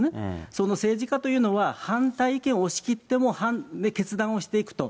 その政治家というのは反対意見を押し切っても決断をしていくと。